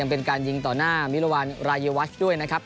เป็นการยิงต่อหน้ามิรวรรณรายวัชด้วยนะครับ